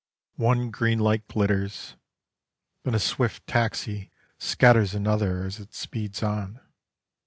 One green light glitters: Then a swift taxi Scatters another As it speeds on.